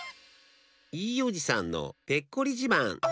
いいおじさんのペッコリじまん。